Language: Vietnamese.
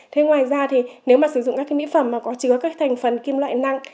thế ngoài ra thì nếu mà sử dụng các cái mỹ phẩm mà có chứa các thành phần kim loại nặng